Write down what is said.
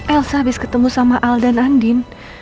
elsa habis ketemu sama alda dan anin